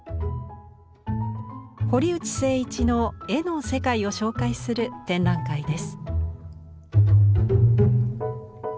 堀内誠一の絵の世界を紹介する展覧会です。